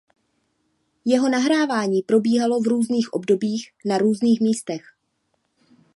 Jeho nahrávání probíhalo v různých obdobích na různých místech.